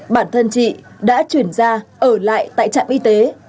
bản thân chị đã chuyển ra ở lại tại trạm y tế